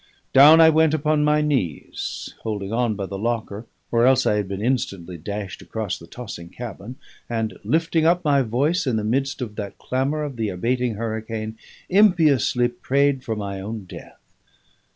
Down I went upon my knees holding on by the locker, or else I had been instantly dashed across the tossing cabin and, lifting up my voice in the midst of that clamour of the abating hurricane, impiously prayed for my own death.